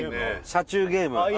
車中ゲーム